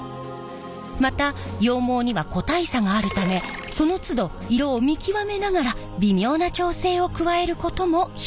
また羊毛には個体差があるためそのつど色を見極めながら微妙な調整を加えることも必要なんです。